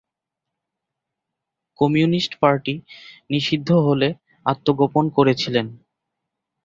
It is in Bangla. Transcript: কমিউনিস্ট পার্টি নিষিদ্ধ হলে আত্মগোপন করেছিলেন।